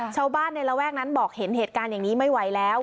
ชาวบ้านในระแวกนั้นบอกเห็นเหตุการณ์อย่างนี้ไม่ไหวแล้ว